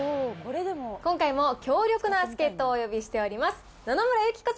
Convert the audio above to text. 今回も強力な助っ人をお呼びしております。